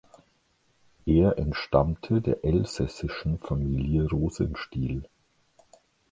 Er entstammte der elsässischen Familie Rosenstiel.